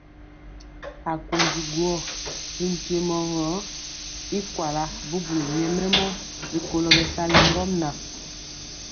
Akondi guo ri mpiemɔ gɔ y kuala bubuli nyɛmemɔ rikolo bɛsali ŋgomnaŋ.